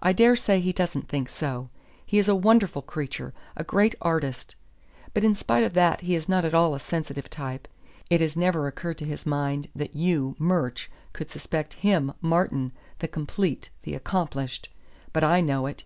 "I dare say he doesn't think so. He is a wonderful creature, a great artist; but in spite of that he is not at all a sensitive type. It has never occurred to his mind that you, Murch, could suspect him, Martin, the complete, the accomplished. But I know it.